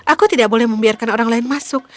aku tidak boleh membiarkan orang lain masuk